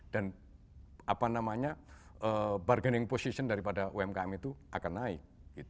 dan bargaining position dari umkm itu akan naik